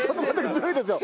ずるいですよ。